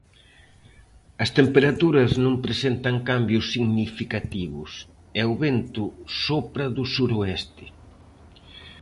As temperaturas non presentan cambios significativos e o vento sopra do suroeste.